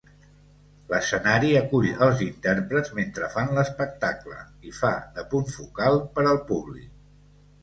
L'escenari acull els intèrprets mentre fan l'espectacle i fa de punt focal per al públic.